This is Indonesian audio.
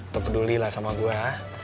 terpeduli lah sama gue